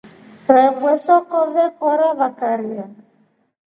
Rebweru soko vekora vakaria.